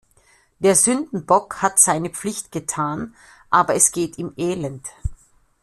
Der Sündenbock hat seine Pflicht getan, aber es geht ihm elend.